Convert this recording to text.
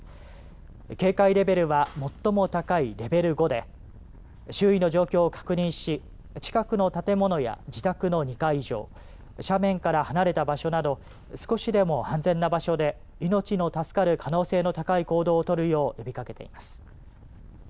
警戒レベルは最も高いレベル５で周囲の状況を確認し近くの建物や自宅の２階以上斜面から離れた場所など少しでも安全な場所で命の助かる可能性の高い行動を取るよう呼びかけています。